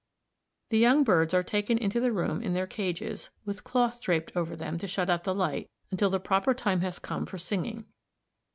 The young birds are taken into the room in their cages, with cloth draped over them to shut out the light until the proper time has come for singing.